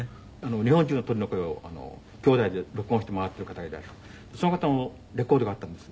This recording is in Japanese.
日本中の鳥の声を兄弟で録音して回ってる方がいらっしゃってその方のレコードがあったんです。